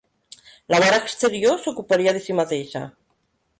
La vora exterior s'ocuparia de si mateixa.